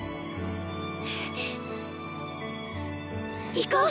行こう！